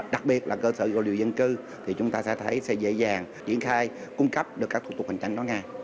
đặc biệt là cơ sở dữ liệu dân cư thì chúng ta sẽ thấy sẽ dễ dàng triển khai cung cấp được các thủ tục hành tránh đó ngay